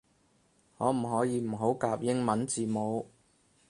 可唔可以唔好夾英文字母